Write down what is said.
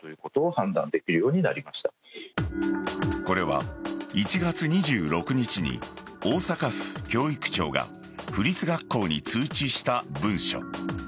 これは１月２６日に大阪府教育庁が府立学校に通知した文書。